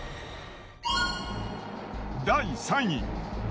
第３位。